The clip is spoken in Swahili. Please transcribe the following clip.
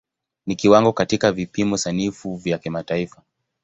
Ni kiwango katika vipimo sanifu vya kimataifa.